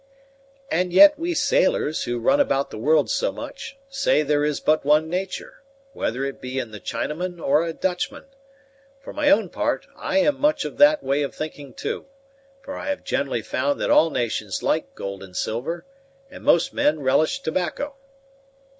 "And yet we sailors, who run about the world so much, say there is but one nature, whether it be in the Chinaman or a Dutchman. For my own part, I am much of that way of thinking too; for I have generally found that all nations like gold and silver, and most men relish tobacco."